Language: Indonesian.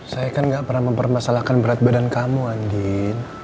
saya kan gapernah mempermasalahkan berat badan kamu andin